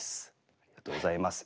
ありがとうございます。